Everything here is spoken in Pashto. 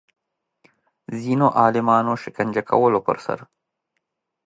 ځینو عالمانو شکنجه کولو پر سر